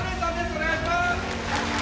お願いします！